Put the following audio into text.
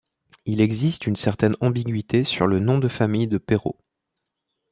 Il existe une certaine ambigüité sur le nom de famille de Perot.